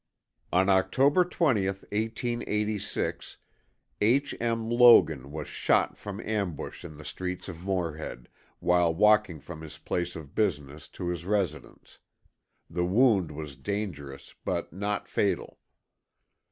On October 20th, 1886, H. M. Logan was shot from ambush in the streets of Morehead, while walking from his place of business to his residence. The wound was dangerous but not fatal.